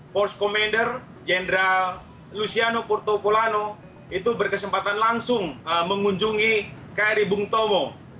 force commander jenderal luciano portoculano itu berkesempatan langsung mengunjungi kri bung tomo